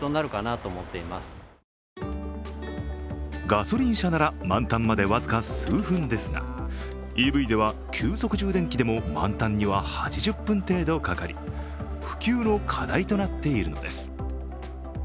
ガソリン車なら満タンまで僅か数分ですが、ＥＶでは急速充電器でも満タンには８０分程度かかり普及の課題となっているのです。